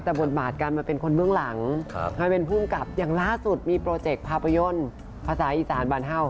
แต่บทบาทกันมันเป็นคนเบื้องหลังเป็นผู้กับอย่างล่าสุดประโยชน์ภาพยนตร์ภาษาอิสานบานเข้า